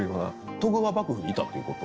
徳川幕府にいたっていうこと？